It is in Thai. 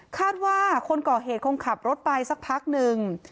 คาดว่าคนก่อเหตุคงขับรถไปสักพักหนึ่ง